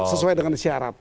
sesuai dengan syarat